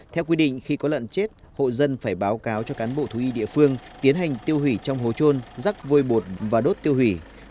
theo quy định khi có lợn chết hộ dân phải báo cáo cho cán bộ thú y địa phương tiến hành tiêu hủy trong hố trôn rắc vôi bột và đốt tiêu hủy